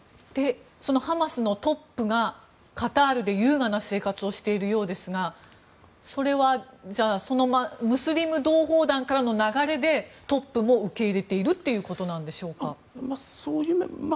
そのハマスのトップがカタールで優雅な生活をしているようですがそれはムスリム同胞団からの流れでトップも受け入れているということなんでしょうか。